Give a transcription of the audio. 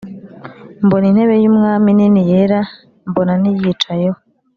Mbona intebe y’ubwami nini yera mbona n’Iyicayeho,